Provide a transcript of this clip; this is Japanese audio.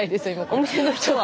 お店の人は？